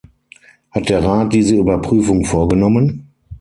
Hat der Rat diese Überprüfung vorgenommen?